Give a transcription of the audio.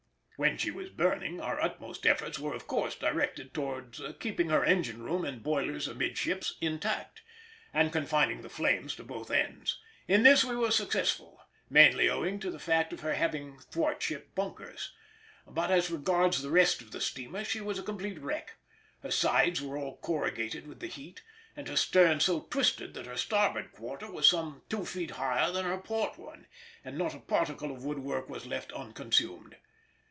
When she was burning, our utmost efforts were of course directed towards keeping her engine room and boilers amidships intact, and confining the flames to both ends; in this we were successful, mainly owing to the fact of her having thwart ship bunkers: but as regards the rest of the steamer she was a complete wreck; her sides were all corrugated with the heat, and her stern so twisted that her starboard quarter was some two feet higher than her port one, and not a particle of woodwork was left unconsumed.